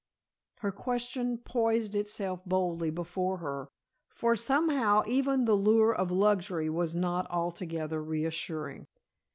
Her question poised itself boldly before her, for somehow even the lure of luxury was not altogether reassuring.